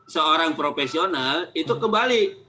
seorang profesional itu kembali